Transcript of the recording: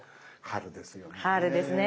春ですね。